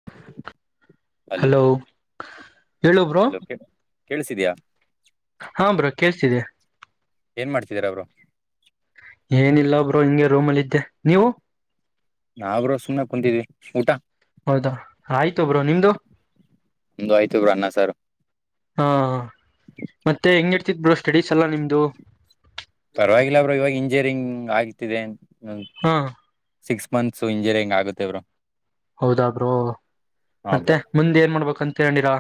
[inaudible] [inaudible] Hello ಹೇಳೊಬ್ರು hello ಕೇಳಿಸಿದ್ಯಾ [unintelligible] ಹಾ bro ಕೇಳ್ತಿದೆ ಏನ್ ಮಾಡ್ತಿದರ ಬ್ರೋ ಏನಿಲ್ಲ ಒಬ್ರು ಹಿಂಗೆ ರೂಮ್ ಅಲ್ಲ ಇದಿದ್ದೆ ನೀವು ನಾವ್ರರು ಸುಮ್ನೆ ಕುಂತಿದ್ವಿ ಊಟ ಹೌದಾ ಆಯ್ತ ಒಬ್ರು ನಿಮ್ದು ಒಂದು ಆಯ್ತು ಬ್ರ ಅ ಸರ್ ಹಾ ಮತ್ತೆ ಹೆಂಗ ಇರ್ತಿದ್ ಬ್ರೋ ಸ್ಟಡೀಸ್ ಎಲ್ಲಾ ನಿಮ್ದು ಪರವಾಗಿಲ್ಲಬ್ರು ಇವಾಗ ಇಂಜಿನಿಯರಿಂಗ್ ಆಗ್ತಿದೆ ಹಾ ಸಿಕ್ಸ್ ಮಂತ್ಸ್ ಇಂಜಿರಿಯಂಗ್ ಆಗುತ್ತೆವ್ರು ಹೌದಾದ್ರರು ಹಾ ಬ್ರೋ ಮತ್ತೆ ಮುಂದೆ ಏನ್ ಮಾಡ್ಬೇಕಂತ ಹೇಳಿರಾ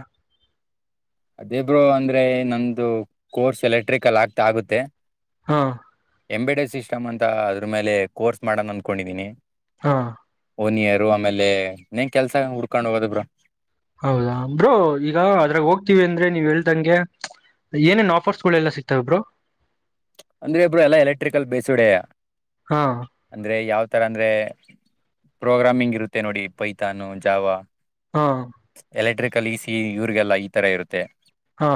ಅದೇಬ್ರು ಅಂದ್ರೆ ನಂದು ಕೋರ್ಸ್ ಎಲೆಕ್ಟ್ರಿಕಲ್ ಆಗ್ತಾ ಆಗುತ್ತೆ ಹಾ ಎಂಬ ಬಿ ಡಿ ಸಿಸ್ಟಮ್ ಅಂತ ಅದ್ರ ಮೇಲೆ ಕೋರ್ಸ್ ಮಾಡೋಣ ಅಂದ್ಕೊಂಡಿದೀನಿ ಹಾ ಓನಿಯರು ಆಮೇಲೆ ನಂಗ ಕೆಲ್ಸ ಹುಡ್ಕೊಂಡ್ ಹೋಗೋದ ಬ್ರರು ಹೌದಾ ಬ್ರೋ ಈಗ ಅದ್ರಾಗ ಹೋಗ್ತೀವಿ ಅಂದ್ರೆ ನೀವ್ ಹೇಳ್ತಂಗೆ ಏನೇನ್ ಆಫರ್ಸ್ಗಳೆಲ್ಲ ಸಿತವೆ ಇಬ್ರು ಅಂದ್ರೆ ಇಬ್ಬರು ಎಲ್ಲ ಎಲೆಕ್ಟ್ರಿಕಲ್ ಬೇಸುಡ ಹಾ ಅಂದ್ರೆ ಯಾವ್ ತರ ಅಂದ್ರೆ ಪ್ರೋಗ್ರಾಮಿಂಗ್ ಇರುತ್ತೆ ನೋಡಿ ಪೈತಾನು ಜಾವ ಹಾ ಎಲೆಕ್ಟ್ರಿಕಲ್ ಈ ಸಿ ಇವರಿಗೆಲ್ಲ ಈ ತರ ಇರುತ್ತೆ ಹಾ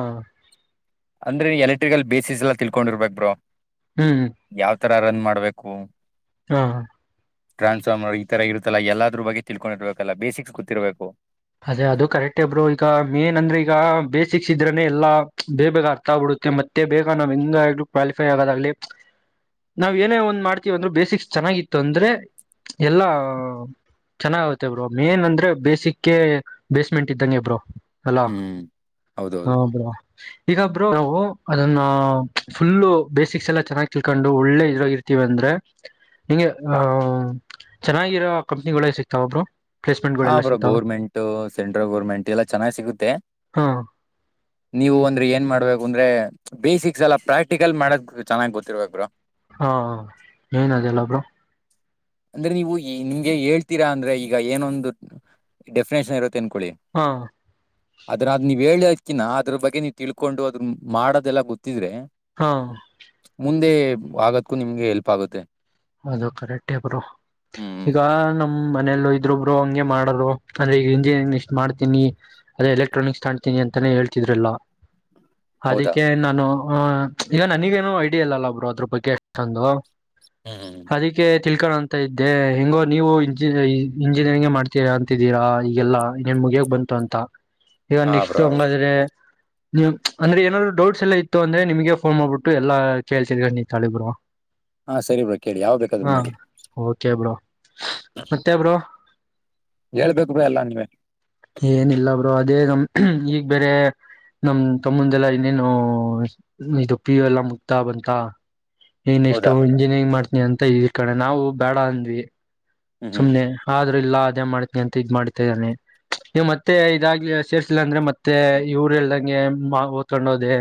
ಅಂದ್ರೆ ಎಲೆಕ್ಟ್ರಿಕಲ್ ಬೇಸಸ್ ಎಲ್ಲ ತಿಳ್ಕೊಂಡರ್ಬೇಕ ಬ್ರರು ಹ್ಞ ಹ್ಞೂ ಯಾವ ತರ ರನ್ ಮಾಡ್ಬೇಕು ಹಾ ಹ ಟ್ರಾನ್ಸ್ಫಾರ್ಮರ್ ಈ ತರ ಇರುತ್ತಲ್ಲ ಎಲ್ಲದ್ರ ಬಗ್ಗೆ ತಿಳ್ಕೊಂಡಿರ್ಬೇಕಲ್ಲ ಬೇಸಿಕ್ಸ್ ಗೊಿರ್ಬೇಕು ಅದೇ ಅದು ಕರೆಕ್ಟ್ೇಬ್ರು ಈಗ ಮೇನ್ ಅಂದ್ರೆ ಈಗ ಬೇಸಿಕ್ಸ್ ಇದ್ರನನೆ ಎಲ್ಲಾ ಬೇ ಬೇಗ ಅರ್ಥ ಆಗ್ಬಿಡುತ್ತೆ ಮತ್ತೆ ಮ ಬೇಕಾ ನಮ್ ಹಂಗ ಕ್ವಾಲಿಫೈ ಆಗೋದಾಗ್ಲಿ ನಾವ್ ಏನೇ ಒಂದ್ ಮಾಡ್ತೀವ ಅಂದ್ರರು ಬೇಸಿಕ್ಸ್ ಚೆನ್ನಾಗಿತ್ತು ಅಂದ್ರೆ ಎಲ್ಲಾ ಚೆನ್ನಾಗೆ ಬ್ರ ಮೇನ್ಂದೆ ಬೇಸಿಕ್ ಕೆ ಬೇಸ್ಮೆಂಟ್ ಇದ್ದಂಗೆ ಬ್ರೋ ಹಲೋ ಹ್ಮ್ ಹ ಹೌದೌದು ಬ್ರೋ. ಇಗ ಬ್ರೊ ನಾವು ಅದನ್ನ ಫುಲ್ಲು ಬೇಸಿಕ್ಸ್ ಎಲ್ಲಾ ಚೆನ್ನಾಗ್ ತಿಳ್ಕೊಂಡು ಒಳ್ಳೆ ಇದ್ರಾಗ್ ಇರ್ತೀವ್ ಅಂದ್ರೆ. ಹಿಂಗೆ ಅಹ ಚೆನ್ನಾಗಿರೋ ಕಂಪ್ನಿಗುಳೇ ಸಿಕ್ತಾವ ಬ್ರೊ. ಹ ಬ್ರೋ ಗೌರ್ಮೆಂಟ್ ಸೆಂಟ್ರಲ್ ಗೋರ್ಮೆಂಟ್ ಎಲ್ಲ ಚೆನ್ನಾಗ್ ಸಿಗುತ್ತೆ. ಹಾ ನೀವು ಅಂದ್ರೆ ಏನ್ ಮಾಡ್ಬೇಕು ಅಂದ್ರೆ. ಬೇಸಿಕ್ಸ್ ಎಲ್ಲ ಪ್ರಾಕ್ಟಿಕಲ್ ಮಾಡೋದ್ ಚನ್ನಾಗ್ ಗೊತ್ತಿರ್ಬೇಕ್ ಬ್ರೊ. ಹಾ ಏನ್ ಅದೆಲ್ಲ ಬ್ರೋ. ಅಂದ್ರೆ ನೀವು ಈ ನಿಮ್ಗೆ ಹೇಳ್ತೀರಾ ಅಂದ್ರೆ ಈಗ ಏನೊಂದ್ ಡೆಫಿನೇಷನ್ ಇರುತ್ತೆ ಅನ್ಕೋಳಿ. ಹಾ ಅದ್ರಾದ್ ನೀವ್ ಹೇಳ್ ಯಾಕಿನ ಅದ್ರ ಬಗ್ಗೆ ನೀವ್ ತಿಳ್ಕೊಂಡು ಅದ್ ಮಾಡದೆಲ್ಲ ಗೊತ್ತಿದ್ರೆ. ಹಾ ಮುಂದೆ ಆಗದ್ಕು ನಿಮ್ಗೆ ಹೆಲ್ಪ್ ಆಗುತ್ತೆ. ಅದು ಕರೆಕ್ಟೆ ಬ್ರೊ. ಹ್ಮ್ ಹ್ಮ್ ಈಗ ನಮ್ ಮನೇಲೂ ಇದ್ರು ಬ್ರೊ ಹಂಗೆ ಮಾಡುದ್ರು ಅಂದ್ರೆ ಈಗ ಇಂಜಿನಿಂಗ್ ಇಷ್ಟ್ ಮಾಡ್ತೀನಿ. ಅದೆ ಎಲೆಕ್ಟ್ರಾನಿಕ್ಸ್ ತಾಣ್ತೀನಿ ಅಂತಾನೆ ಹೇಳ್ತಿದ್ರು ಎಲ್ಲ. ಹೌದಾ ಅದಿಕ್ಕೆ ನಾನು ಆ ಈಗ ನನಗೇನು ಐಡಿಯಾ ಇಲ್ಲಲ್ಲ ಬ್ರೊ ಅದ್ರು ಬಗ್ಗೆಷ್ಟಂದು. ಹ್ಮ್ ಹ್ಮ್. ಅದಕ್ಕೆ ತಿಳ್ಕೋ ಅಂತ ಇದ್ದೆ ಹಿಂಗೋ ನೀವು ಇಂಜಿ ಇಂಜಿನಿಯರಿಂಗ್ ಮಾಡ್ತೀ ತಿದ್ದೀರಾ ಈಗೆಲ್ಲಾ ಇನ್ನೇನ್ ಮುಗಿಯಾಕ್ ಬಂತು ಅಂತ ಈಗ ಹಾ ನೆಕ್ಸ್ಟ್ ಬ್ರೋ ಹಂಗಾದ್ರೆ. ನೀವ್ ಅಂದ್ರೆ ಏನಾದ್ರು ಡೌಟ್ಸ್ ಎಲ್ಲ ಇತ್ತು ಅಂದ್ರೆ ನಿಮ್ಗೆ ಫೋನ್ ಮಾಡ್ಬಿಟ್ಟು ಎಲ್ಲ ಕೇಳ್ತಿದರ್ ನೀ ತಾಳಿ ಬ್ರೊ. ಹಾ ಸರಿ ಬ್ರ ಕೇಳಿ ಯಾವ್ ಬೇಕ್ ಹಾ ಓಕೆ ಬ್ರೋ ಮತ್ತೆ ಬ್ರೋ. ಹೇಳ್ಬೇಕು ಬ್ರೊ ಎಲ್ಲ ನೀವೇ. ಏನಿಲ್ಲ ಬ್ರೋ ಅದೇ ನಮ್ ಈಗ್ ಬೇರೆ. ನಮ್ಮ್ ತಮ್ಮಂದೆಲ್ಲಾ ಇನ್ನೇನು ಇದು ಪಿ ಯು ಎಲ್ಲ ಮುಗ್ತಾ ಬಂತ. ಇನ್ ಎಷ್ಟು ಹೌದಾ ಇಂಜಿನಿಯರಿಂಗ್ ಮಾಡ್ತನಿ ಅಂತ ಇಕಡೆ ನಾವು ಬೇಡ ಅಂದ್ವಿ. ಹ್ಮ್ ಹ್ಮ್ ಸುಮ್ನೆ ಆದ್ರೂ ಇಲ್ಲ ಅದೇ ಮಾಡ್ತನಿ ಅಂತ ಇದ್ ಮಾಡ್ತಾ ಇದಾನೆ. ನೀವ್ ಮತ್ತೆ ಇದಾಗ್ಲಿ ಸೇರ್ಸಿಲ್ಲ ಅಂದ್ರೆ ಮತ್ತೆ ಇವ್ರ ಹೇಳ್ದಂಗೆ ಮಾ ಓತ್ಕೊಂಡೋದೆ.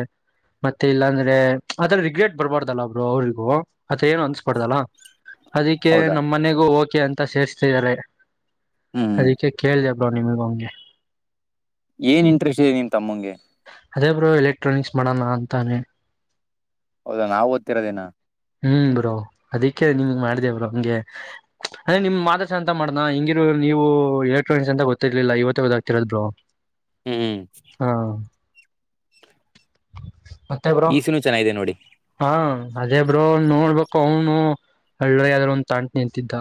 ಮತ್ತೆ ಇಲ್ಲಾಂದ್ರೆ ಆತರ ರಿಗ್ರೆಟ್ ಬರ್ಬಾರ್ದಲ್ಲ ಬ್ರೊ ಅವ್ರರಿಗೂ ಆತರ ಏನು ಅನ್ಸ್ಬಾರ್ದಲ್ಲ. ಅದಿಕ್ಕೆ ಹೌದಾ ನಮ್ಮ್ ಮನೆಗೂ ಓಕೆ ಅಂತ ಸೇರ್ಸ್ತಿದ್ದಾರೆ ಹ್ಮ್ ಹ್ಮ್ ಅದಿಕ್ಕೆ ಕೇಳ್ದೆ ಬ್ರೋ ನಿಮಿಗು ಹಂಗೆ. ಏನ್ ಇಂಟ್ರೆಸ್ಟ್ ಇದೆ ನಿಮ್ಮ್ ತಮ್ಮಂಗೆ. ಅದೇ ಬ್ರೋ ಎಲೆಕ್ಟ್ರಾನಿಕ್ಸ್ ಮಾಡೋಣ ಅಂತಾನೆ. ಹೌದಾ ನಾವ್ ಓದ್ತಿರೋದೇನ. ಹ್ಮ್ ಬ್ರೋ ಅದಕ್ಕೆ ನಿನಿಗ್ ಮಾಡ್ದೆ ಬ್ರೋ ಹಂಗೆ. ಅದೇ ನಿಮ್ ಮಾದಸ ಅಂತ ಮಾಡನಾ ಹಿಂಗಿರು ನೀವು ಎಲೆಕ್ಟ್ರಾನಿಕ್ಸ್ ಅಂತ ಗೊತ್ತಿರ್ಲಿಲ್ಲ ಇವತ್ತೆ ಗೂತ್ತಾಗ್ತ ಇರೋದು ಬ್ರೊ. [inaudible] ಹ್ಮ ಹಾ [unintelligible] ಈಸಿನು ಚೆನ್ನಾಗಿದೆ ನೋಡಿ. ಹಾ ಅದೇ ಬ್ರೋ ನೋಡ್ಬೇಕು ಅವ್ನು ಏಳ್ದಾಗ್ ಯಾವ್ದಾದ್ರು ಒಂದ್ ತಗಂತೀನಿ ಅಂತಿದ.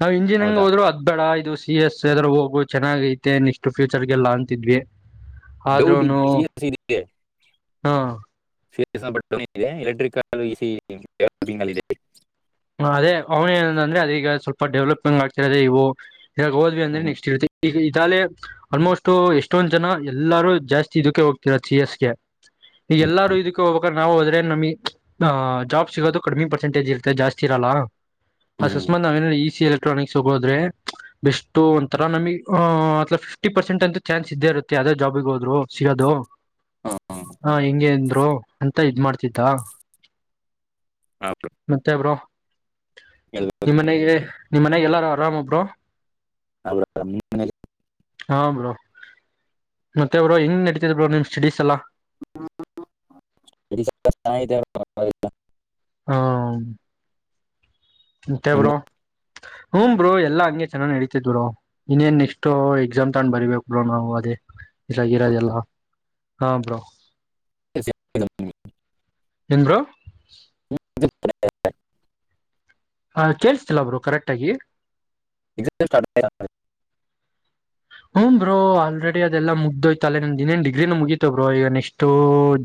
ನಾವ್ ಇಂಜಿನಿಯರಿಂಗ್ ಹೌದಾ ಹೋದ್ರು ಅದ್ ಬೇಡ ಇದು ಸಿ ಎಸ್ ಎದಾದ್ರು ಹೋಗು ಚೆನ್ನಾಗ್ ಐತೆ ನೆಷ್ಟು ಫ್ಯೂಚರ್ಗೆಲ್ಲ ಅಂತಿದ್ವಿ. ಡೌಟ್ ಆದ್ರೂನು ಸಿ ಎಸ್ ಇದೆ ಹಾ. [unintelligible] ಇದೆ ಎಲೆಕ್ಟ್ರಿಕಲ್ ಈ ಸಿ [unintelligible] ಇದೆ. ಹ ಅದೇ ಅವ್ನ ಏನ ಅಂದ್ರೆ ಅದ ಈಗ ಸ್ವಲ್ಪ ಡೆವಲಪ್ಮೆಂಗ್ ಆಗ್ತಿರದೆ ಇವು. ಈಗ ಹೋದ್ವಿ ಅಂದ್ರೆ ಹ್ಮ್. ನೆಕ್ಸ್ಟ್ ಇರುತ್ತೆ ಈಗ ಇತಲೇ. ಆಲ್ಮೋಸ್ಟ್ ಎಷ್ಟೊಂದ್ ಜನ ಎಲ್ಲಾರು ಜಾಸ್ತಿ ಇದಕ್ಕೆ ಹೋಗ್ತರ ಸಿ ಎಸ್ಗೆ. ಈ ಎಲ್ಲಾರೂ ಇದಕ್ಕೆ ಹೋಗಬೇಕ ನಾವು ಹೋದ್ರೆ ನಮಗೆ ಜಾಬ್ ಸಿಗೋದು ಕಡಿಮಿ ಪರ್ಸೆಂಟೇಜ್ ಇರುತ್ತೆ ಜಾಸ್ತಿ. ಹೋಗಿರಲಾ ಹ್ಮ್ ಅಸಸ್ಮಾತ್ ನಾವ ಏನ ಇಸ ಎಲೆಕ್ಟ್ರಾನಿಕ್ಸ್ ಹೋಗೋದ್ರೆ ಪ್. ಎಷ್ಟ ಒಂಥರ ನಮಗ್ ಅ ಫಿಫ್ಟಿ ಪರ್ಸೆಂಟ್ ಅಂತ ಚಾನ್ಸ್ ಇದ್ದೇ ಇರುತ್ತೆ ಯಾವದೇ ಜಾಬಿಗೆ ಹೋದ್ರು ಸಿಗೋದು. ಹಾ ಹಾ ಹೆಂಗ ಅಂದ್ರು ಅಂತ ಇದ್ ಮಾಡಾತಿದ್ದ. ಹಾ ಮತ್ತೆ ಬ್ರೋ. ಎಲ್ಲ. ನಿಮ್ಮ ಮನೆಗೆ ನಿಮ್ಮ್ ಮನೆಗೆ ಎಲ್ಲಾರು ಆರಾಮ್ ಬ್ರೋ. [unintelligible] ಹಾ ಬ್ರೋ ಮತ್ತೆ ಬ್ರೋ ಹೆಂಗ್ ನಡತಿದ ಬ್ರೋ ನಿಮ ಸ್ಟಡೀಸ್ ಎಲ್ಲಾ. [inaudible] ಹ್ಮ ಮತೇ ಬ್ರೋ ಹ್ಮ ಬ್ರೋ ಎಲ್ಲಾ ಹಂಗೆ ಚೆನ್ನಾಗಿ ನಡೀತಿದ್ ಬ್ರೋ. ಇನ್ನೇನ್ ನೆಕ್ಸ್ಟ್ ಎಕ್ಸಾಮ್ ತಂದ ಬರಿಬೇಕ್ ಬ್ರೋ ನಾವು ಅದೇ ಇದ್ರಾಗ ಇರೋದೆಲ್ಲ. ನಿಮ್ದು ಹಾ ಬ್ರೋ. [unintelligible] ಏನ್ ಬ್ರೋ. [unintelligible] ಹ ಕೇಳಸ್ತಿಲ್ಲ ಬ್ರೋ ಕರೆಕ್ಟ್ ಆಗಿ. ಎ್ಟ [unintelligible] ಹ್ಮ ಬ್ರೋ ಆಲ್ರೆಡಿ ಅದೆಲ್ಲ ಮುಗಿದೋಯ್ತಲ್ಲೆ ನಮ ಇನ್ನನೆ ಡಿಗ್ರಿನ ಮುಗಿತತ ಬ್ರೋ ಈಗ ನೆಕ್ಸ್ಟ್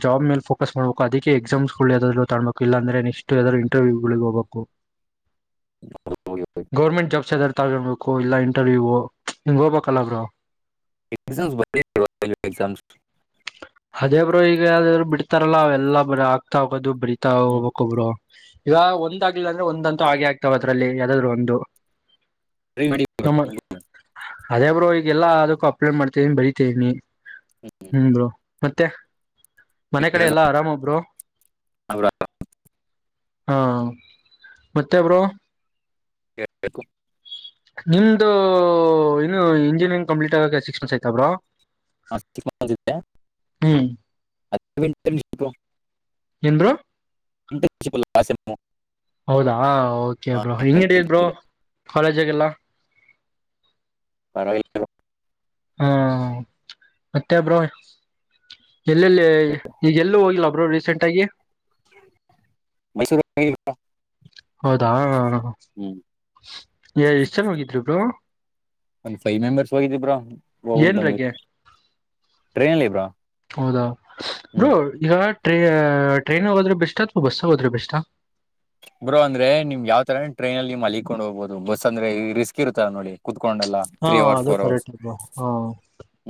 ಜಾಬ್ ಮೇಲೇ ಫೋಕಸ್. ಫಸ್ಟ್ ಮಾಡಬೇಕು ಅದಕ್ಕೆ ಎಕ್ಸಾಮ್ಸ್ ಯಾವದಾದೂ ತಗೋಬೇಕು ಇಲ್ಲ ಅಂದ್ರೆಕ್ಸ್ಟ್ ಯಾವಾದ್ ಇಟರ್ವ್ಯಗಳಿಗೆ ಹೋಗಬೇಕು. ಹ [unintelligible] ಗೌರ್ಮೆಂಟ್ ಜಾಬ್ಸ್ದ ತಗೋಬೇಕು ಇಲ್ಲ ಇಂಟರ್ವ್ಯೂವು ಹಿಂಗ್ ಹೋಗಬೇಕಲ್ಲ ಬ್ರೋ [unintelligible] ಅದೇ ಬ್ರೋ ಈಗ ಯಾವಾದ್ರು ಬಿಡ್ತಾರಲ್ಲ ಅವೆಲ್ಲ ಬರೆ ಆಗ್ತಾ ಹೋಗೋದು ಬರಿತಾ ಹೋಗ್ಬೇಕ ಬ್ರೋ. ಈವಾಗ ಒಂದ ಆಗ್ಲಿಲ್ಲ ಅಂದ್ರೆ ಒಂದಂತೂ ಹಾಗೆ ಆಗ್ತಾವ ಅದ್ರಲ್ಲಿ ಯಾದಾದ್ರು ಒಂದು. ಹ್ಮ್ ನಮ್ಮ ಅದೇ ಬ್ರೋ ಈಗೆಲ್ಲಾ ಅದಕ್ಕ ಅಪ್ಲೈಡ್ ಮಾಡ್ತೇನಿ ಬರಿತೇನಿ. ಹ್ಮ ಬ್ರೋ ಮತ್ತೆ ಮನೆ ಕಡೆ ಎಲ್ಲಾ ಆರಾಮ ಬ್ರೋ. ಅವರ ಹಾ ಮತ್ತೆ ಬ್ರೋ. ಎಬೇಕಕ್ಕು. ನಿಮ್ದು ನು ಇಂಜಿನಿಯರಿಂಗ್ ಕಂಪ್ಲೀಟ್ ಆಗ ಸಿಕ್ಸ್ ಮಂತ್ಸ್ ಆಯ್ತ ಬ್ರೋ. ಹಾ ಚಿಕ್ಕಿದ್ದೆ. ಹ್ಮ್ ಅಂಟರ್ನ್ಿಪ [unintelligible] ಎನ್ ಬ್ರೋ. [unintelligible] [unintelligible] ಹೌದಾ ಓಕೆ ಬ್ರೋ ಹೆಂಗ್ ಹಿಡಿಯ ಬ್ರೋ ಕಾಲೇಜಗೆಲ್ಲ. ಪರವಾಗಿಲ್ಲಾ. ಹಾ ಮತ್ತೆ ಬ್ರೋ. ಎಲ್ಲೆಲ್ಲಿ ಈಗ ಎಲ್ಲೂ ಹೋಗಿಲ್ಲ ಬರು ರೀಸೆಂಟ್ ಆಗಿ. ಮೈಸೂರಿಗ್ [unintelligible] ಹೌದಾ ಎಷ್ಟ್ ಜನ ಹೋಗಿದ್ರಿ ಬ್ರೊ? ಒಂದ್ ಫೈವ್ ಮೆಂಬರ್ಸ್ ಹೋಗಿದ್ವಿ ಬ್ರೊ ಹೋಗ್ಬಟ್ಟ್ ಬಂದ್ವಿ ಏನ್ರಾಗೆ ಟ್ರೈನ್ಲಿ ಬ್ರೊ. ಹೌದಾ ಬ್ರೊ ಈಗ ಟ್ರೈನಿಗೋದ್ರೆ ಬೆಸ್ಟ ಅಥವಾ ಬಸ್ಸಲ್ಲೋದ್ರೆ ಬೆಸ್ಟ? ಬ್ರೋ ಅಂದ್ರೆ ನಿಮ್ ಯಾವ ತರ ಟ್ರೈನಲ್ಲಿ ನೀವ್ ಮಲಿಕೊಂಡ್ ಹೋಗಬೋದು ಬಸ್ ಅಂದ್ರೆ ಈ ರಿಸ್ಕ್ ಇರುತಲ್ಲ ನೋಡಿ. ಕುತ್ಕೊಂಡಲ್ಲ ಹಾ ತ್ರೀ ಅವರ್ಸ್ ಅದು ಫೋರ್ ಅವರ್ಸ್. ಕರೆಕ್ಟ್ ಬ್ರೋ ಹಾ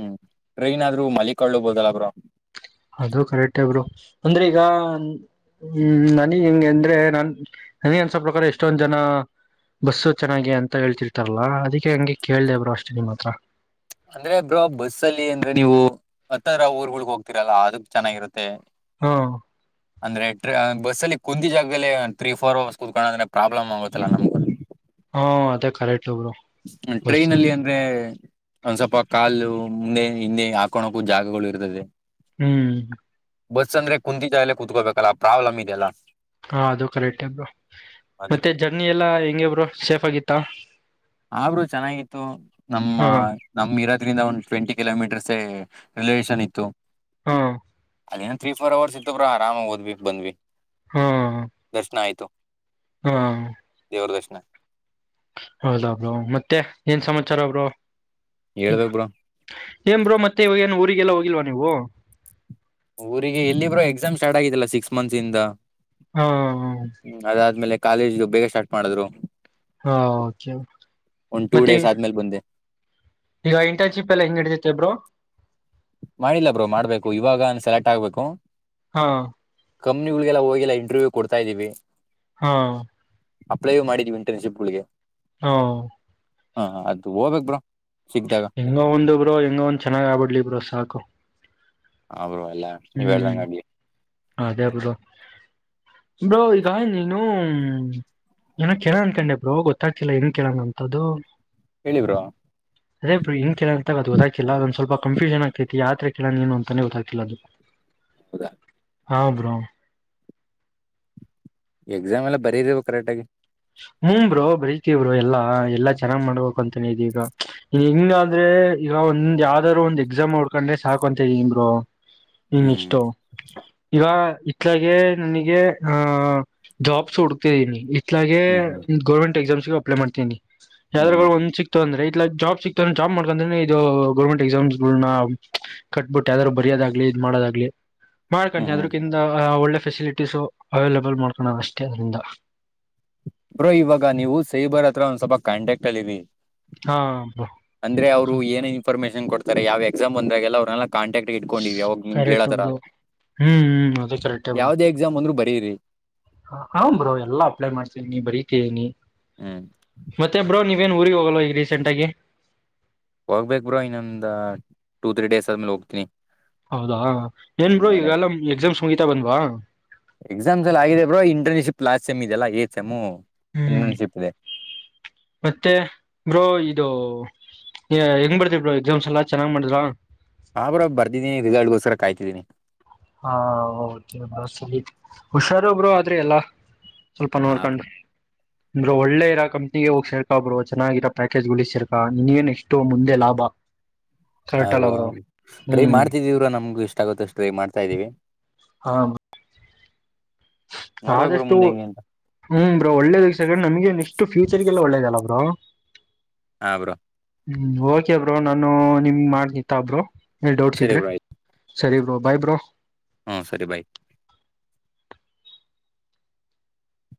ಹ್ಮ್ ಟ್ರೈನಾದ್ರು ಮಲಿಕೊಳ್ಳುಬೋದಲ್ಲ ಬ್ರೊ. ಅದು ಕರೆಕ್ಟೆ ಬ್ರೊ ಅಂದ್ರ್ ಈಗ ಹ್ಮ್ ನನಗ್ ಹಿಂಗ ಅಂದ್ರೆ ನನ್ ನನಗ ಅನ್ಸೊ ಪ್ರಕಾರ ಎಷ್ಟೊಂದ್ ಜನ ಬಸ್ಸು ಚೆನ್ನಾಗಿ ಅಂತ ಹೇಳ್ತಿರ್ತಾರಲ್ಲಾ ಅದಕ್ಕೆ ಹಂಗೆ ಕೇಳ್ದ ಬ್ರೊ ಅಷ್ಟೇ ನಿಮ್ಮ ಹತ್ರ. ಅಂದ್ರೆ ಬ್ರೋ ಬಸ್ ಅಲ್ಲಿ ಅಂದ್ರೆ ನೀವು ಹತ್ತರ ಊರ್ಗಳಗ್ ಹೋಗ್ತೀರಲ್ಲ ಅದಕ್ ಚೆನ್ನಾಗಿರುತ್ತೆ. ಹಾ ಅಂದ್ರೆ ಬಸ್ಸಲ್ಲಿ ಕುಂತಿದ್ಜಾಗಲ್ಲೇ ತ್ರೀ ಫೋರ್ ಅವರ್ಸ್ ಕುತ್ಕೋಳದ್ ಅಂದ್ರೆ ಪ್ರಾಬ್ಲಮ್ ಆಗುತ್ತಲ್ಲ ನಮ್ ಹ್ಮ ಅದೇ ಕರೆಕ್ಟ್ ಬ್ರೊ. ಹ್ಮ ಟ್ರೈನಲ್ಲಿ ಅಂದ್ರೆ ಒಂದ್ ಸ್ವಲ್ಪ ಕಾಲು ಮುಂದೆ ಹಿಂದೆ ಹಾಕೊಂಡೋಗಕಾ ಜಾಗಗಳು ಇರ್ತದೆ. ಹ್ಮ್. ಬಸ್ ಅಂದ್ರೆ ಕುಂತಿದ್ಜಾಗ್ದಲೆ ಕುಂತ್ಕೋಬೇಕಲ್ಲ ಪ್ರಾಬ್ಲಮ್ ಇದೆಲ್ಲ. ಹಾ ಅದು ಕರೆಕ್ಟೆ ಬ್ರೊ ಮತ್ತೆ ಅದಕ್ಕೆ ಜರ್ನಿ ಎಲ್ಲ ಹೆಂಗೆ ಬ್ರೊ ಸೇಫ್ ಆಗಿತ್ತ? ಹ ಬ್ರೊ ಚೆನ್ನಾಗಿತ್ತು ನಮ್ಮ ನಮ್ ಇರೋದ್ರಿಂದ ಒಂದ್ ಟ್ವೆಂಟಿ ಕಿಲೋಮೀಟರ್ಸೇ ರಿಲವೇೇಶನ್ ಇತ್ತು. ಹೂ. ಅಲ್ಲೇನೋ ತ್ರೀ ಫೋರ್ ಅವರ್ಸ್ ಇತ್ತು ಬ್ರೊ ಆರಾಮಾಗಿ ಹೋದ್ವಿ ಬಂದ್ವಿ ದರ್ಶ್ನ ಆಯ್ತು. ಹ್ಞೂ. ದೇವ್ರ್ ದರ್ಶ್ನ. ಹೌದ ಬ್ರೊ ಮತ್ತೆ ಏನ್ ಸಮಾಚಾರ ಬ್ರೊ? ಹೇಳ್ಬೇಕ್ ಬ್ರೋ ಏನ್ ಬ್ರೊ ಮತ್ತೆ ಇವಾಗ್ ಏನೂ ಊರಿಗೆಲ್ಲ ಹೋಗಿಲ್ವಾ ನೀವು? ಊರಿಗೆ ಎಲ್ಲ ಬ್ರೊ ಎಕ್ಸಾಮ್ ಸ್ಟಾರ್ಟ್ ಆಗಿದೆಲ್ಲ ಸಿಕ್ಸ್ ಮಂತ್ಸ್ ಇಂದ. ಹಾಂ ಅದಾದ್ಮೇಲೆ ಕಾಲೇಜ್ಗೆ ಬೇಗ ಸ್ಟಾರ್ಟ್ ಮಾಡಿದ್ರು. ಹಾ ಓಕೆ ಒಂದ್ ಟೂ ಮತ್ತೆ ಡೇಸ್ ಆದ್ಮೇಲೆ ಬಂದೆ. ಈಗ ಇಂಟನ್ಶಿಪ್ ಎಲ್ಲ ಹೆಂಗ್ ನಡ್ದೖತೆ ಬ್ರೊ? ಮಾಡಿಲ್ಲ ಬ್ರೋ ಮಾಡ್ಬೇಕು ಇವಾಗನ್ ಸೆಲೆಕ್ಟ್ ಆಗ್ಬೇಕು. ಹಾ ಕಂಪ್ನಿಗಳಿಗೆಲ್ಲ ಹೋಗಿಲ್ಲ ಇಂಟರ್ವ್ಯೂ ಕೊಡ್ತಾ ಇದೀವಿ. ಹಾ ಅಪ್ಲೈಯೂ ಮಾಡಿದೀವಿ ಇಂಟರ್ನ್ಶಿಪ್ಗೆ. ಹಾಂ. ಹಾ ಅದು ಹೋಗ್ಬೇಕ್ ಬ್ರೊ ಸಿಕ್ದಾಗ. ಹೆಂಗ ಒಂದ್ ಬ್ರೋ ಹೆಂಗೋ ಒಂದ್ ಚೆನ್ನಾಗ್ ಆಗ್ಬಿಡ್ಲಿ ಬ್ರೋ ಸಾಕು. ಹಾ ಬ್ರೊ. ಹ್ಮ್ ಅದೇ ಬ್ರೋ. ಬ್ರೋ ಈಗ ನೀನು ಏನೋ ಕೇಳೋ ಅನ್ಕೊಂಡೆ ಬ್ರೊ ಗೊತ್ತಾಗ್ತಿಲ್ಲ ಏನ್ ಕೇಳೋಣ ಅಂತ್ದದು. ಹೇಳಿ ಬ್ರೋ. ಅದೇರ ಇಂಗನ್ಗೆಲ ಅಂತ ಅದು ಗೊತ್ತಾಿಲ್ಲ ಒಂದ್ ಸ್ವಲ್ಪ ಕನ್ಫ್ಯೂಷನ್ ಪ್ರತಿ ಯಾತ್ರೆ ಕೇಳೋಣ ನು ಅಂತೇ ಗೊತ್ತಾಗ್ತಿಲ್ಲ ಅದು [inaudible] ಹಾ ಬ್ರೋ ಎಕ್ಸಾಮ್ ಎಲ್ಲ ಬರೀವು ಕರೆಕ್ಟ್ಗಾಗಿ ಹು ಬ್ರೋ ಬರಿತವರು ಎಲ್ಲಾ ಎಲ್ಲಾ ಚೆನ್ನಾಗ್ ಮಾಡ್ಬೇಕಕ್ ಅಂತಾನ ಇದೀಗ ಹೆಂಗಂದ್ರೆ ಈಗ ಒಂದ್ ಯಾವ್ದಾದ್ರು ಒಂದ್ ಎಕ್ಸಾಮ್ ನೋಡ್ಕೊಂಡ್ರೆ ಸಾಕ ಅಂತ ಇದ ನಿಮರು ಹ್ಮ್ ಇಷ್ಟ ಈಗ ಇತ್ಲಾಗೆ ನನಗೆ ಆಹ ಜಾಬ್ಸ್ ಹುಡ್ತಿದ್ದೀನಿ ಇಲಾಗೆ ಹ್ಮ್ ಹ್ಮ್ ಗರ್ಮೆಂಟ್ ಎಕ್ಸಾಮ್ಸ್ ಅಪ್ಲೈ ಮಾಡತಿನಿ ಹ್ಮ್ ಯಾವ್ರ ಒಂದ ಸಿಕ್ತು ಅಂದ್ರೆ ಇ ಜಾಬ್ ಸಿಕ್ತ ಇ ಜಾಬ್ ಮಾಡ್ಕೊಂಡೆ ಇದು ಗೌರ್ಮೆಂಟ್ ಎಕ್ಸಾಮ್ಸ್ನ ಕಟ್ಬಿಟ್ಟು ಯ್ದ್ರು ಬರಯೋದಾಗ್ಲಿ ಇದ್ ಮಾಡೋದಾಗ್ಲಿ ಮಾಡ್ಕೊಂಡಿ ಹ್ಮ್ ಹ್ಮ್ ಅದ್ರಕಿಂತ ಒಳ್ಳೆ ಫೆಸಿಲಿಟೀಸು ಅವೈಲಬಲ್ ಮಾಡ್ಕಣದ ಅಷ್ಟೇ ಅದ್ರಂದ ಬ್ರೋ ಇವಾಗ ನೀವು ಸೈಬರ್ ಹತ್ರ ಒಂದ್ ಸ್ವಲ್ಪ ಕಾಂಟ್ಯಾಕ್ಟ್ ಇರಿ ಹಾ ಅಂದ್ರೆ ಅವರು ಏನೇ ಇಂಫಾರ್ಮೇಷನ್ಕೊಡ್ತಾರೆ ಯಾವ ಎಕ್ಸಾಮ್ಂದಾಗೆಲ್ಲ ಅವ್ರನ್ನೆ ಕಾಟ್ಯಾಕ್ಟ್ ಇಕೊಂಡ ಅವಾಗ ನಿಮ ಕರೆಕ್ಟ್ ಕತರ ಬ್ರೋ ಹ್ಮ್ ಹ್ಮ್ ಅದು ಕರೆಕ್ಟ್ ಯಾವದೇ ಎಕ್ಸಾಮ್ ಅಂದ್ರರು ಬರೆಯಿರಿ ಹ ಹ್ ಬ್ರೋ ಎಲ್ಲಾ ಅಪ್ಲೈ ಮಾಡ್ಸೇನಿ ಬರೀನಿ ಹ್ಮ್ ಮತ್ತೆ ಬ್ರೋ ನೀವೇನ್ ಊರಿಗೆ ಹೋಗಲ್ಲ ಈ ರೀಸೆಂಟ್ಗಿ ಹೋಗ್ಬೇಕಕ್ ಬ್ರೋ ಇನ್ನೊಂದು ಟೂ ತ್ರೀ ಡೇಸ್ ಆದ್ಮೇಲೆ ಹೋಗ್ತೀನಿ ಹೌದಾ ಏನ್ ಹ್ಮ್ ಬೋ ಮನೆಗ್. ಈಗಲ್ಲ ಎಕ್ಸಾಮ್ಸ್ ಮುಗೀತಾ ಬಂದ್ವಾ ಎಕ್ಸಾಮ್ಸ್ಲ್ ಆಗಿದೆ ಬ್ರೋ ಇಂಟರ್ನ್ಶಿಪ್ ಲಾಸ್ ಎಮ್ ಇದೆಲ್ಲ ಎಚ್ ಎಮ್ ಹ್ಮ್ ಇಂಟರ್ನ್ಶಿಪ್ ಇದೆ ಮತ್ತೆ ಬ್ರೋ ಇದು ಹೆಂಗ್ ಬರ್ತ್ ಬ್ರೋ ಎಕ್ಸಾಮ್ಸ್ ಎಲ್ಲಾ ಚೆನ್ನಾಗ್ ಮಾಡಿದ್ರ ಹಾ ಬ್ರ ಬರ್ದೀನ ರಿಸಲ್ಟ್ಗೋಸ್ಕರ ಕಾಯ್ತೀನಿ ಹಾ ಹೌದ ಬ ಸರಿ ಹುಷಾರ ಒಬ್ರು ಆದ್ರೆ ಎಲ್ಲಾ ಸ್ವಲ್ಪ ಹಾ ಬ್ರೋ. ನೋಡ್ಕೊಂಡಿ ನಂದರು ಒಳ್ಳೆ ಇರೋ ಕಂಪ್ನಿಗೆ ಹೋಗ್ ಸರ್ಕಬ್ರು ಚೆನ್ನಾಗಿರೋ ಪ್ಯಾಕೇಜ್ ಗುಸ್ರ್ಕಾ ನಿನ್ಗೇನ್ ಎಷ್ಟು ಮುಂದೆ ಲಾಭ [inaudible] ಕರೆಕ್ಟ್ ಹ್ರ ಅಲ್ಲ ಬ್ರೋ ಟ್ರೈ ಹ್ಮ್ ಮಾಡ್ತಿದೀವ್ರ ನಮ್ಗು ಇಷ್ಟಾಗುತ್ತ ಅಷ್ಟು ಟ್ರೈ ಮಾಡ್ತಾ ಇದ್ದೀವಿ ಹಾ ನೋಡ್ಬೇಕ್ ಬ್ರೋ ಆದಷ್ಟು ಮುಂದೆ ಹೆಂಗೆ ಅಂತ. ಹ್ಮ್ ಬ್ರೋ ಒಳ್ಳೇದ ವಕ್ಷ ನಮಗೆ ಇಷ್ಟ ಫ್ಯೂಚರ್ಗೆಲ್ಲ ಒಳ್ಳೇದ ಅಲ್ಲ ಬ್ರೋ ಹಾ ಬ್ರೋ ಹ್ಮ್ ಓಕೆಬ್ರೋ ನಾನು ನಿಮ್ ಮಾಡನಿತ್ತ ಅಬ್ರೋ ಎಲ್ ಡೌಟ್ಸ್ ಸರಿ ಇದ್ರೆ ಬ್ರೋ ಸರಿ ಬ್ರೋ ಬಾಯ್ ಬ್ರೋ ಹಾ ಸರಿ ಬಾಯ್